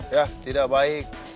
ya tidak baik